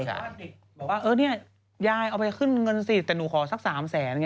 บอกว่าเออเนี่ยยายเอาไปขึ้นเงินสิแต่หนูขอสัก๓แสนไง